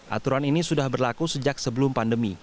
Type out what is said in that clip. aturan ini sudah berlaku sejak sebelum pandemi